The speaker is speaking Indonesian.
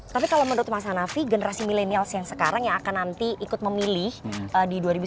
tapi kalau menurut mas hanafi generasi milenials yang sekarang yang akan nanti ikut memilih di dua ribu sembilan belas